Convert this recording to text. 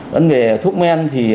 vấn đề thuốc men thì